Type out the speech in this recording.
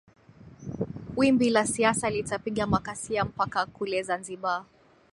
wimbi la siasa litapiga makasia mpaka kule zanzibar